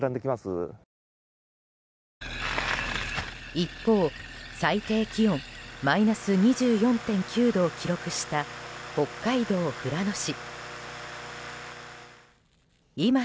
一方、最低気温マイナス２４．９度を記録した北海道富良野市。